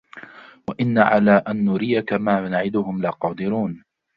وَإِنَّا عَلَى أَنْ نُرِيَكَ مَا نَعِدُهُمْ لَقَادِرُونَ